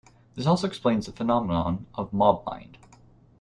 This also explains the phenomenon of mob mind.